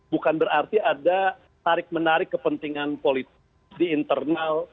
bukan berarti ada tarik menarik kepentingan politik di internal